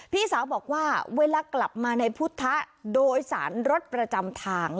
พี่สาวบอกว่าเวลากลับมาในพุทธโดยสารรถประจำทาง